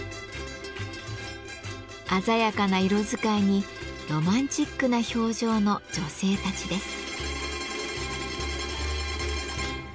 鮮やかな色使いにロマンチックな表情の女性たちです。